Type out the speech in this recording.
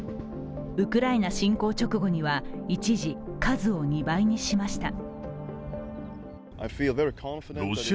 ウクライナ侵攻直後には一時、数を２倍にしました。